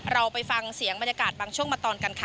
เราไปฟังเสียงบรรยากาศบางช่วงมาตอนกันค่ะ